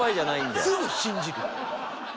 すぐ信じる。